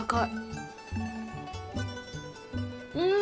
うん！